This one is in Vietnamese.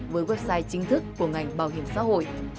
với website chính thức của ngành bảo hiểm xã hội